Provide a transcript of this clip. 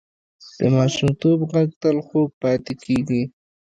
د ماشومتوب غږ تل خوږ پاتې کېږي